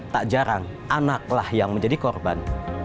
tak jarang anaklah yang menjadi korban